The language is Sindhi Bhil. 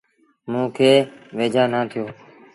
موݩ کي ويجھآ نا ٿيٚو۔